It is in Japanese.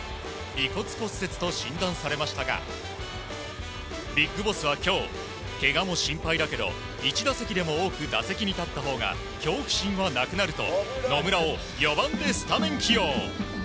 鼻骨骨折と診断されましたがＢＩＧＢＯＳＳは今日けがも心配だけど１打席でも多く打席に立ったほうが恐怖心がなくなると野村を４番でスタメン起用。